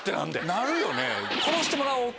なるよね。